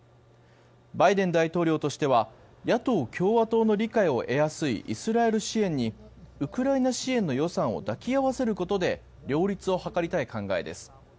バイデン大統領としては野党・共和党の理解を得やすいイスラエル支援にウクライナ支援の予算を抱き合わせることで両立を図りたい考えです。